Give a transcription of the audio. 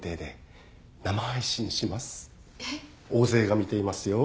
大勢が見ていますよ。